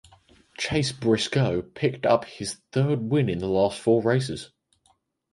Chase Briscoe picked up his third win in the last four races.